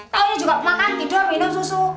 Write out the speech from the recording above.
saya juga makan tidur minum susu